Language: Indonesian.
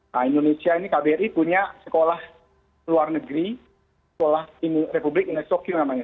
nah indonesia ini kbri punya sekolah luar negeri sekolah republik indonesia tokyo namanya